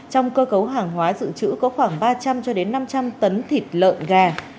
trong cơ cấu hàng hóa dự trữ có khoảng ba trăm linh năm trăm linh tấn thịt lợn gà